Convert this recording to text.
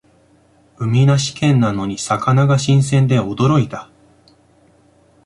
海なし県なのに魚が新鮮で驚いた